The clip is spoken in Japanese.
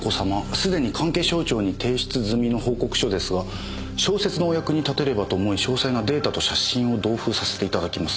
すでに関係省庁に提出済の報告書ですが小説のお役に立てればと思い詳細なデータと写真を同封させていただきます。